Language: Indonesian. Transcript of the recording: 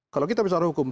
kalau kita bicara hukum